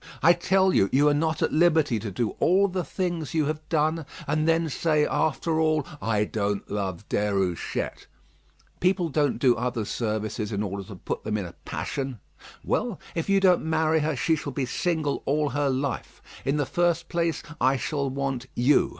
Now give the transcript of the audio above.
I tell you you are not at liberty to do all the things you have done, and then say, after all, 'I don't love Déruchette.' People don't do others services in order to put them in a passion. Well; if you don't marry her, she shall be single all her life. In the first place, I shall want you.